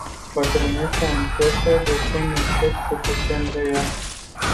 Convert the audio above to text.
Bătrânețea începe de când începi să te temi de ea.